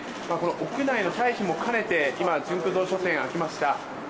屋内の退避も兼ねて今、ジュンク堂書店が開きました。